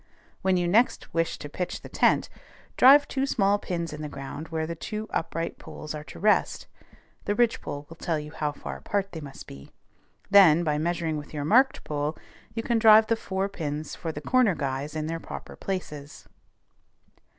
When you next wish to pitch the tent, drive two small pins in the ground where the two upright poles are to rest, the ridgepole will tell you how far apart they must be, then, by measuring with your marked pole, you can drive the four pins for the corner guys in their proper places.